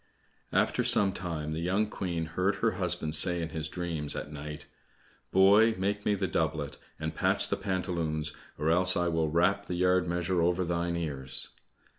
After some time the young Queen heard her husband say in his dreams at night, "Boy, make me the doublet, and patch the pantaloons, or else I will rap the yard measure over thine ears."